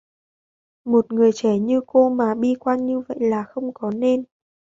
Một người trẻ như cô mà bi quan như vậy là không có nên